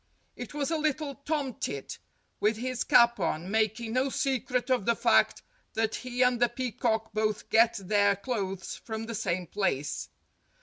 It was a little tomtit, with his cap on, making no secret of the fact that he and the peacock both get their clothes from the same place.